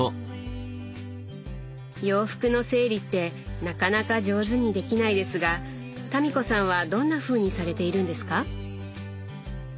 洋服の整理ってなかなか上手にできないですが民子さんはどんなふうにされているんですか？